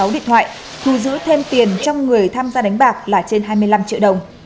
sáu điện thoại thu giữ thêm tiền trong người tham gia đánh bạc là trên hai mươi năm triệu đồng